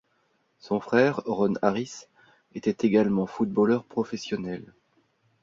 Son frère, Ron Harris, était également footballeur professionnel.